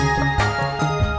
yang yang lagi nyuruh